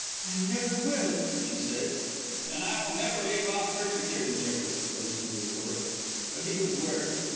"I never will!" she said. "Then I will never leave off persecuting you," was his retort. But he was wary.